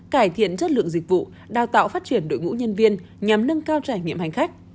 cải thiện chất lượng dịch vụ đào tạo phát triển đội ngũ nhân viên nhằm nâng cao trải nghiệm hành khách